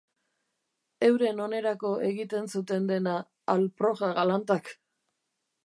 Euren onerako egiten zuten dena, alproja galantak.